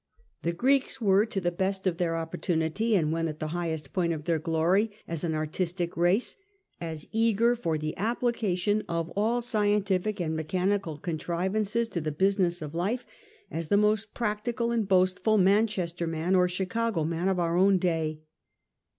The Greeks were to the best of their opportunity, and when at the highest point of their glory as an artistic race, as eager for the application of all scientific and mechanical con trivances to the business of life as the most practical and boastful Manchester man or Chicago man of our own day.